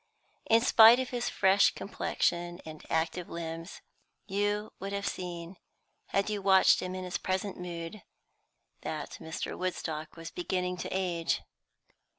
In spite of his fresh complexion and active limbs, you would have seen, had you watched him in his present mood, that Mr. Woodstock was beginning to age.